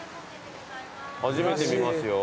初めて見ますよ。